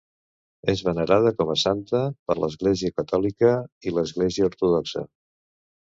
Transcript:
És venerada com a santa per l'Església catòlica i l'Església ortodoxa.